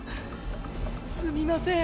すみません